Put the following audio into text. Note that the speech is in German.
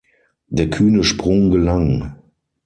Der kühne Sprung gelang.